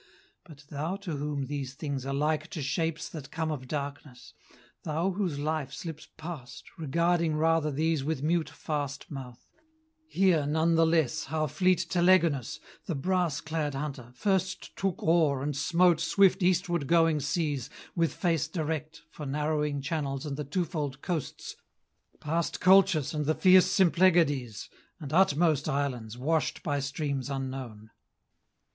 But thou to whom these things are like to shapes That come of darkness thou whose life slips past Regarding rather these with mute fast mouth Hear none the less how fleet Telegonus, The brass clad hunter, first took oar and smote Swift eastward going seas, with face direct For narrowing channels and the twofold coasts Past Colchis and the fierce Symplegades, And utmost islands, washed by streams unknown.